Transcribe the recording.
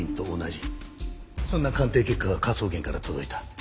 そんな鑑定結果が科捜研から届いた。